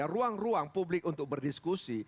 ruang ruang publik untuk berdiskusi